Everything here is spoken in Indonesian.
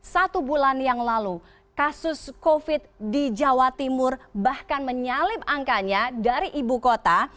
satu bulan yang lalu kasus covid di jawa timur bahkan menyalip angkanya dari ibu kota